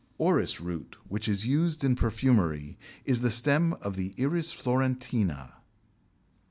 Orris root, which is used in perfumery, is the stem of the Iris florentina.